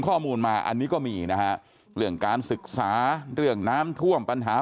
ข้อมูลมาอันนี้ก็มีนะฮะเรื่องการศึกษาเรื่องน้ำท่วมปัญหา